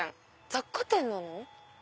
雑貨店なの？